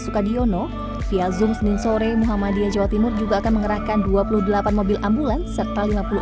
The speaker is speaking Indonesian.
sukadiono via zoom senin sore muhammadiyah jawa timur juga akan mengerahkan dua puluh delapan mobil ambulans serta